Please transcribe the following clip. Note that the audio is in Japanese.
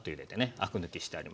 アク抜きしてあります。